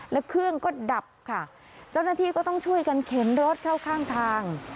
แล้วเครื่องก็ดับค่ะเจ้าหน้าที่ก็ต้องช่วยกันเข็นรถเข้าข้างทาง